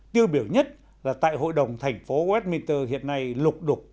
tiêu biểu nhất là tại hội đồng thành phố westminster hiện nay lục đục